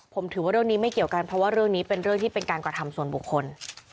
ผมถือว่าเรื่องนี้ไม่เกี่ยวกันเพราะว่าเรื่องนี้เป็นเรื่องที่เป็นการกระทำส่วนบุคคล